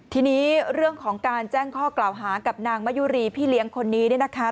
ทีนี้เรื่องของการแจ้งข้อกล่าวหากับนางมะยุรีพี่เลี้ยงคนนี้เนี่ยนะคะ